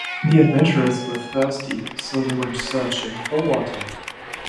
The adventurers were thirsty, so they went searching for water.